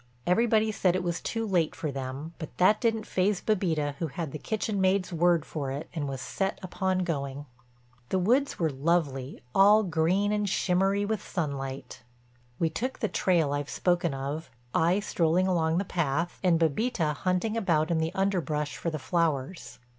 Everybody said it was too late for them, but that didn't faze Bébita who had the kitchen maid's word for it and was set upon going. The woods were lovely, all green and shimmery with sunlight. We took the trail I've spoken of, I strolling along the path, and Bébita hunting about in the underbrush for the flowers.